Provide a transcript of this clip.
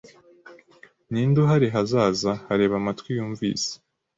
Ninde Uhari hazaza hareba Amatwi yumvise